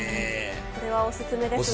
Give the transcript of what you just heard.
これはお勧めですね。